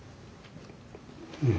うん。